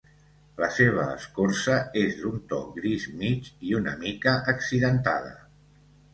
La seva escorça és d'un to gris mig i una mica accidentada.